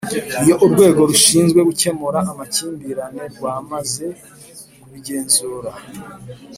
Iyo Urwego rushinzwe gukemura amakimbirane rwamaze kubigenzura